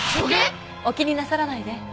お気になさらないで。